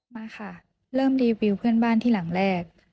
มาค่ะเริ่มรีวิวเพื่อนบ้านที่หลังแรก